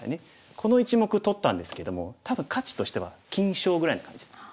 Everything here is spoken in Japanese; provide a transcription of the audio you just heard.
この１目取ったんですけども多分価値としては金将ぐらいの感じです。